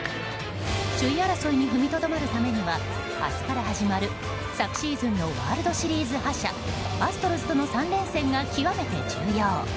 首位争いに踏みとどまるためには明日から始まる昨シーズンのワールドシリーズ覇者アストロズとの３連戦が極めて重要。